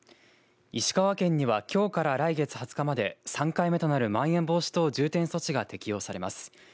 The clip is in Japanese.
石川県にはきょうから来月２０日まで３回目となるまん延防止等重点措置が適用されます。